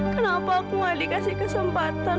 kenapa aku gak dikasih kesempatan